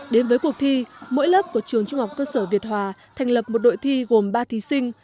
đến với cuộc thi mỗi lớp của trường trung học cơ sở việt hòa thành lập một đội thi gồm ba thí sinh